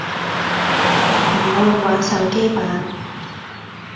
唔會玩手機版